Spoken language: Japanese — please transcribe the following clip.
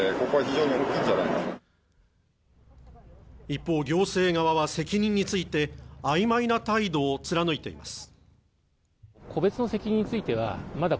一方、行政側は責任について、曖昧な態度を貫いています。